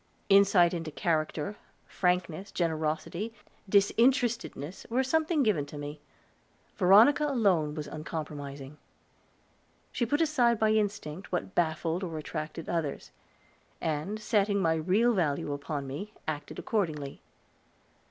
Insight into character, frankness, generosity, disinterestedness, were sometimes given me. Veronica alone was uncompromising; she put aside by instinct what baffled or attracted others, and, setting my real value upon me, acted accordingly.